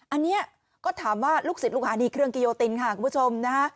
อันนี้ก็ถามว่าลูกศิษย์ลูกหานี่เครื่องกิโยตินค่ะคุณผู้ชมนะฮะ